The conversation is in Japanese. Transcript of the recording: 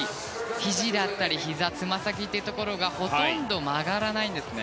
ひじだったり、ひざつま先というところがほとんど曲がらないんですね。